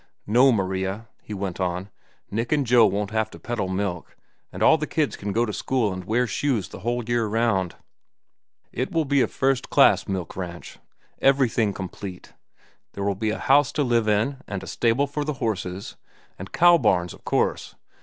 "No, Maria," he went on; "Nick and Joe won't have to peddle milk, and all the kids can go to school and wear shoes the whole year round. It will be a first class milk ranch—everything complete. There will be a house to live in and a stable for the horses, and cow barns, of course.